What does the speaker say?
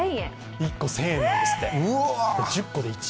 １個１０００円なんですって。